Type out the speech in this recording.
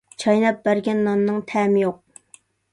چايناپ بەرگەن ناننىڭ تەمى يوق.